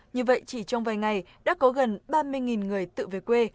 như vậy chỉ trong vài ngày đã có gần ba mươi người tự về quê